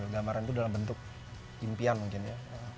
gambaran itu dalam bentuk impian mungkin ya